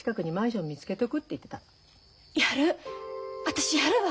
私やるわ！